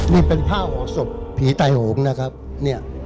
นี่เป็นผ้าหอศพผีตายโหงนะครับเนี่ย